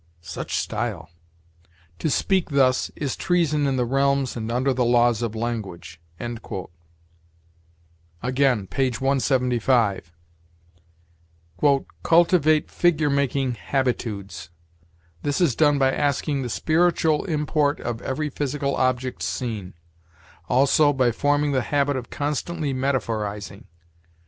[Such style!] To speak thus is treason in the realms and under the laws of language." Again, p. 175: "Cultivate figure making habitudes. This is done by asking the spiritual import of every physical object seen; also by forming the habit of constantly metaphorizing.